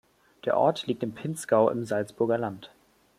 Der Ort liegt im Pinzgau im Salzburger Land.